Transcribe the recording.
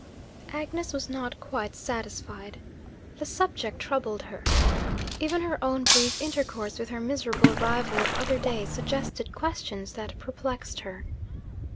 Agnes was not quite satisfied. The subject troubled her. Even her own brief intercourse with her miserable rival of other days suggested questions that perplexed her.